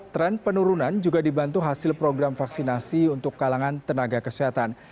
tren penurunan juga dibantu hasil program vaksinasi untuk kalangan tenaga kesehatan